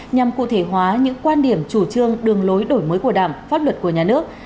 nhằm cụ thể hóa những quan điểm chủ trương đường lối đổi mới của đảng pháp luật của nhà nước